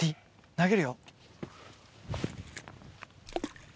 投げるよ。